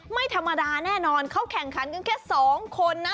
ไม่ธรรมดาแน่นอนเขาแข่งขันกันแค่๒คนนะ